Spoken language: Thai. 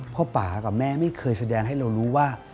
ป่ากับแม่ไม่เคยแสดงให้เรารู้ว่า